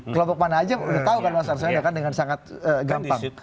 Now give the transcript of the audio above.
kelompok mana aja udah tahu kan mas arsweda kan dengan sangat gampang